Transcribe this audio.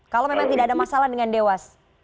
kalau memang tidak ada masalah dengan dewas